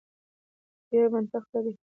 په دې کي منطق څه دی.